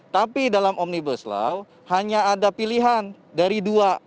tapi dalam omnibus law hanya ada pilihan dari dua